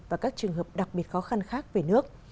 và các trường hợp đặc biệt khó khăn khác về nước